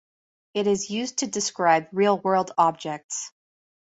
It is used to describe real-world objects.